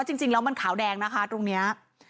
จริงแล้วมันขาวแดงนะคะตรงนี้